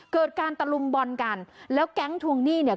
เกิดการตะลุมบอลกันแล้วแก๊งทวงหนี้เนี่ย